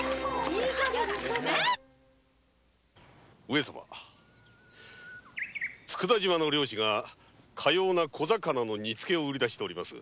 上様佃島の漁師がかような小魚の煮つけを売り出しております